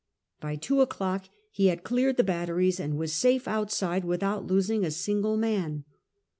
By two o'clock he had cleared the batteries and was safe outside without losing a single man.